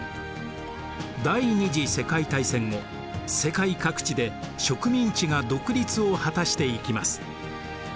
第二次世界大戦後世界各地で植民地が独立を果たしていきます。